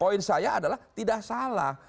poin saya adalah tidak salah